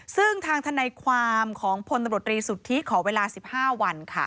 ซึ่งทางทนายความของพลตำรวจรีสุทธิขอเวลา๑๕วัน